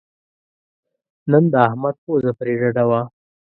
نن د احمد پوزه پرې ډډه وه.